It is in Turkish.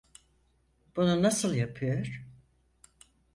Bunu nasıl yapıyor?